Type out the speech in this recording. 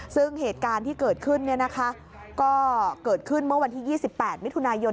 ซึ่งเหตุการณ์ที่เกิดขึ้นก็เกิดขึ้นเมื่อวันที่๒๘มิถุนายน